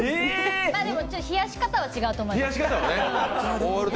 でも冷やし方は違うと思う。